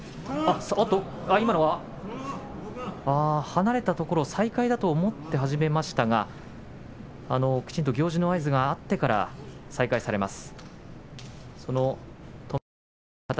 離れたところ、再開だと思って始めましたが行司の合図があってから再開されます。